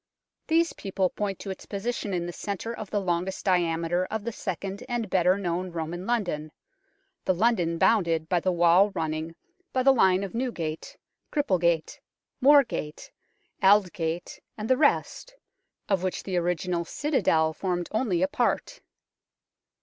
These people point to its position in the centre of the longest diameter of the second and better known Roman London the London bounded by the wall running by the line of Newgate, Cripplegate, Moorgate, Aldgate, and the rest, of which the original citadel formed only a part.